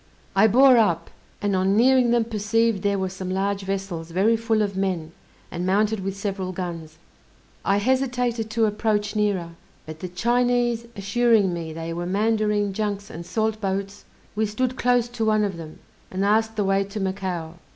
I bore up, and on nearing them perceived there were some large vessels, very full of men, and mounted with several guns. I hesitated to approach nearer; but the Chinese assuring me they were Mandarine junks and salt boats, we stood close to one of them, and asked the way to Macao.